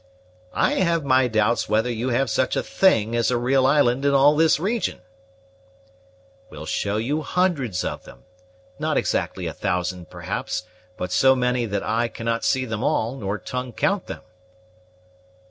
"I have my doubts whether you have such a thing as a real island in all this region." "We'll show you hundreds of them; not exactly a thousand, perhaps, but so many that eye cannot see them all, nor tongue count them."